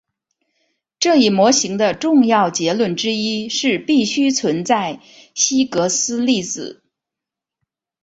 这一模型的重要结论之一是必须存在希格斯粒子。